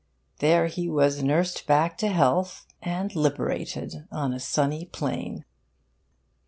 There he was nursed back to health, and liberated on a sunny plain.